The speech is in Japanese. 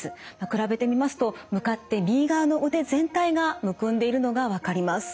比べてみますと向かって右側の腕全体がむくんでいるのが分かります。